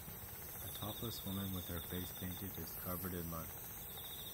A topless woman with her face painted is covered in mud.